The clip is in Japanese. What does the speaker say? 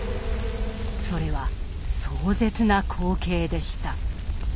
それは壮絶な光景でした。